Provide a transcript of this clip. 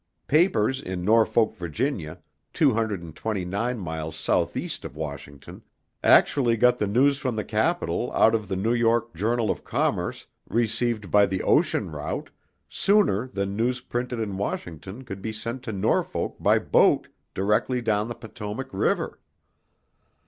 Papers in Norfolk, Va., two hundred and twenty nine miles south east of Washington actually got the news from the capitol out of the New York Journal of Commerce received by the ocean route, sooner than news printed in Washington could be sent to Norfolk by boat directly down the Potomac River.